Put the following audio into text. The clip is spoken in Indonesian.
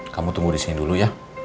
kamu tunggu disini dulu ya